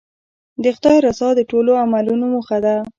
د خدای رضا د ټولو عملونو موخه ده.